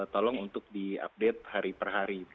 tolong untuk diupdate hari per hari